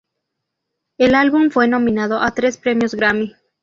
El álbum fue nominado a tres premios Grammy.